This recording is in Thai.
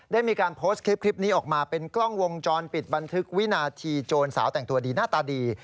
ได้มีการโพสต์คลิปนี้ออกมาเป็นกล้องวงจรปิดบันทึกวินาทีโจรสาวแต่งตัวดีหน้าตาดี